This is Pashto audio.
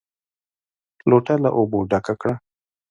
لوټه له اوبو ډکه کړه!